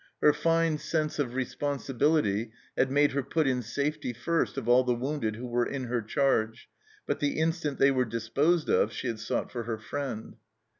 Her fine sense of responsibility had made her put in safety first of all the wounded who were in her charge, but the instant they were disposed of she had sought for her friend.